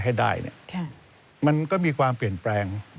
ให้ได้เนี่ยมันก็มีความเปลี่ยนแปลง